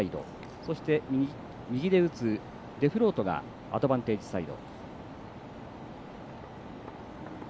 そして、右で打つデフロートがアドバンテージサイド。